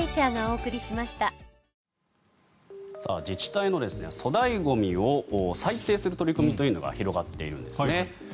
自治体の粗大ゴミを再生する取り組みというのが広がっているんですね。